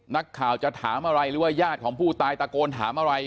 นักข่าวจะถามอะไรหรือว่าญาติของผู้ตายตะโกนถามอะไร